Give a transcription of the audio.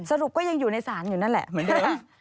ก็ยังอยู่ในศาลอยู่นั่นแหละเหมือนเดิม